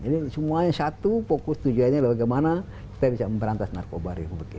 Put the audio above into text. ini semuanya satu fokus tujuannya bagaimana kita bisa memberantas narkoba